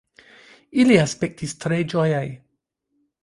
Ili aspektis tre ĝojaj.